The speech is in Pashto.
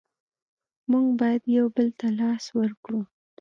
موږ باید یو بل ته لاس ورکړو.